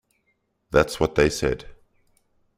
That's what they said.